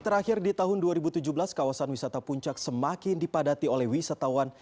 terakhir di tahun dua ribu tujuh belas kawasan wisata puncak semakin dipadati oleh wisatawan